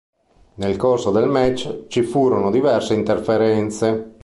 Nel corso del match ci furono diverse interferenze.